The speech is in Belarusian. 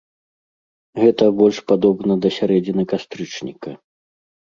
Гэта больш падобна да сярэдзіны кастрычніка.